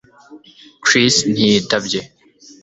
Chris ntiyitabye